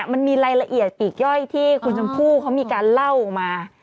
มันมีรายละเอียดปีกย่อยที่คุณชมพู่เขามีการเล่ามา